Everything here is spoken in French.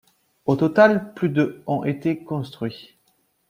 Au total, plus de ont été construits.